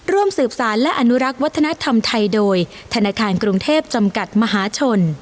ร่วมสืบสารและอนุรักษ์วัฒนธรรมไทยโดยธนาคารกรุงเทพจำกัดมหาชน